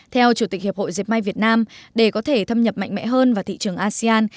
theo chủ tịch hiệp hội diệt may việt nam để có thể thâm nhập mạnh mẽ hơn vào thị trường asean